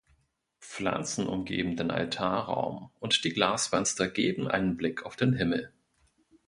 Pflanzen umgeben den Altarraum und die Glasfenster geben einen Blick auf den Himmel.